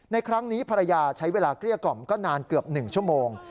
ในครั้งนี้ภรรยาใช้เวลาเกลี้ยกล่อมก็นานเกือบ๑ชั่วโมง